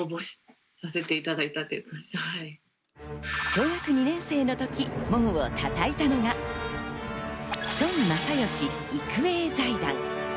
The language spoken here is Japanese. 小学２年生の時、門を叩いたのが孫正義育英財団。